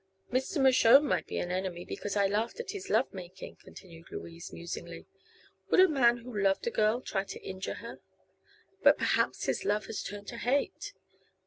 "Mr. Mershone might be an enemy, because I laughed at his love making," continued Louise, musingly. "Would a man who loved a girl try to injure her? But perhaps his love has turned to hate.